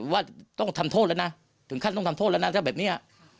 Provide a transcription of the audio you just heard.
ว่าต้องทำโทษแล้วนะถึงขั้นต้องทำโทษแล้วนะถ้าแบบนี้